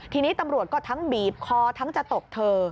ทีนี้ตำรวจก็ทั้งบีบคอทั้งจะตบเธอ